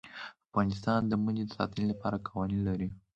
افغانستان د منی د ساتنې لپاره قوانین لري.